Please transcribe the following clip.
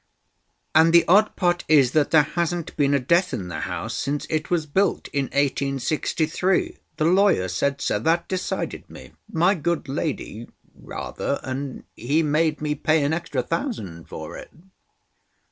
And the odd part is that there hasn't been a death in the house since it was built—in 1863. The lawyer said so. That decided me—my good lady, rather—and he made me pay an extra thousand for it."